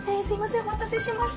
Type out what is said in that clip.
お待たせしました